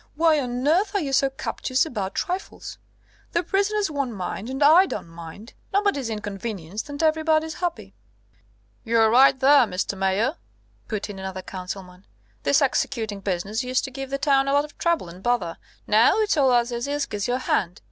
Why on earth are you so captious about trifles? The prisoners won't mind, and I don't mind: nobody's inconvenienced, and everybody's happy!" "You're right there, Mr. Mayor," put in another councilman. "This executing business used to give the town a lot of trouble and bother; now it's all as easy as kiss your hand.